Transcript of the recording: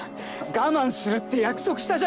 我慢するって約束したじゃないですか！